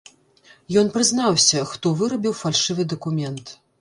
Ён прызнаўся, хто вырабіў фальшывы дакумент.